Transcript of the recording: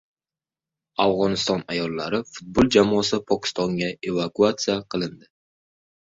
Afg‘oniston ayollar futbol jamoasi Pokistonga evakuasiya qilindi